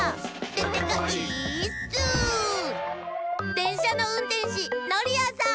でんしゃのうんてんしノリヤさん！